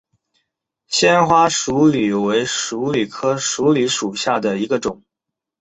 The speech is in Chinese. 纤花鼠李为鼠李科鼠李属下的一个种。